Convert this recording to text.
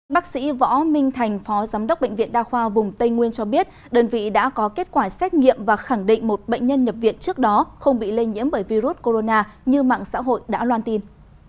bác sĩ võ minh thành phó giám đốc bệnh viện đa khoa vùng tây nguyên cho biết đơn vị đã có kết quả xét nghiệm và khẳng định một bệnh nhân nhập viện trước đó không bị lây nhiễm bởi virus corona như mạng xã hội đã loan tin